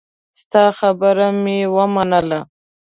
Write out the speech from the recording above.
ستا خبره مې ومنله.